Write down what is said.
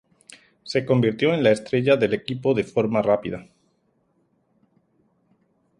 Se convirtió en la estrella del equipo de forma rápida.